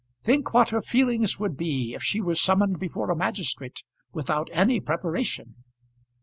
Think what her feelings would be if she were summoned before a magistrate without any preparation!"